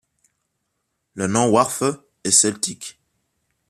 Le nom Wharfe est celtique.